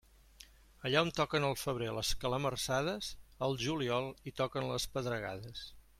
Allà on toquen al febrer les calamarsades, al juliol hi toquen les pedregades.